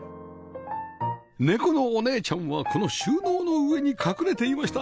ネコのおねえちゃんはこの収納の上に隠れていました